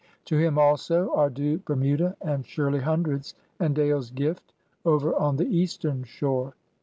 To him also are due Bermuda and Shirley Himdreds and Dale's Gift over on the Eastern Shore.